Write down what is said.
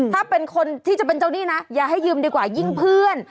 ถ้าเป็นคนที่จะเป็นเจ้าหนี้นะอย่าให้ยืมดีกว่ายิ่งเพื่อน